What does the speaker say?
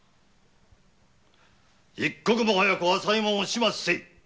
一刻も早く朝右衛門を始末せい！